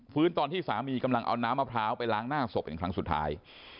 ตอนที่สามีกำลังเอาน้ำมะพร้าวไปล้างหน้าศพเป็นครั้งสุดท้าย